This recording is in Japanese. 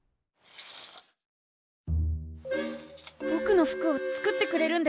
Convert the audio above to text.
ぼくの服を作ってくれるんですか？